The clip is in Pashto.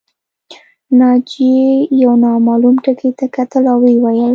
ناجیې یو نامعلوم ټکي ته کتل او ویې ویل